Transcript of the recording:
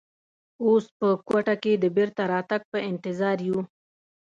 اوس په کوټه کې د بېرته تګ په انتظار یو.